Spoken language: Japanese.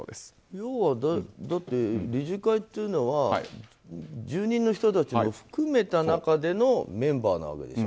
要は、理事会っていうのは住人の人たちも含めた中でのメンバーなわけでしょ。